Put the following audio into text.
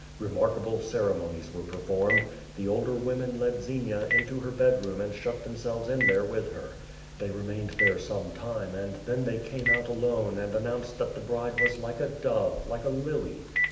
Remarkable ceremonies were performed. The older women led Xenia into her bedroom and shut them selves in there with her. They remained there some time and when they came out alone and announced that the bride was like a dove, like a lily.